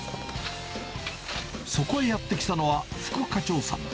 そこへやって来たのは副課長さん。